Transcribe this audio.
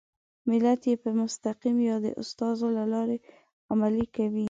ملت یې په مستقیم یا د استازو له لارې عملي کوي.